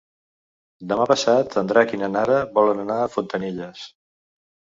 Demà passat en Drac i na Nara volen anar a Fontanilles.